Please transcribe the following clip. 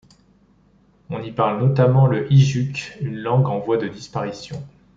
On y parle notamment le hijuk, une langue en voie de disparition.